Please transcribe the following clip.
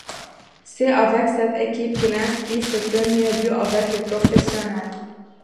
C'est avec cette équipe qu'il inscrit ses premiers buts avec les professionnels.